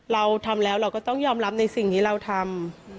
เราทำแล้วเราก็ต้องยอมรับในสิ่งที่เราทำ